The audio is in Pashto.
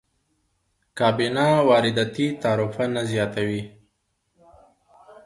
کابینه وارداتي تعرفه نه زیاتوي.